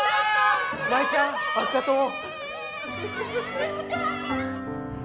舞ちゃんあっがとう。